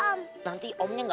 sampai jumpa di video selanjutnya